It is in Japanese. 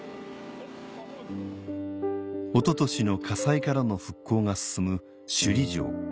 一昨年の火災からの復興が進む首里城